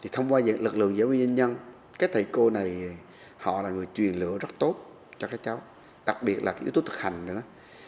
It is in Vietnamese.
thông qua lực lượng giáo viên doanh nhân các thầy cô này họ là người truyền lửa rất tốt cho các cháu đặc biệt là yếu tố thực hành nữa